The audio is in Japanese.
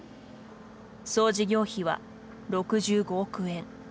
総事業費は６５億円。